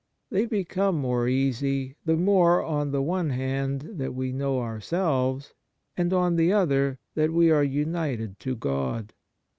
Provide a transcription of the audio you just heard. They become more easy, the more on the one hand that we know ourselves, and on the other that we are united to God.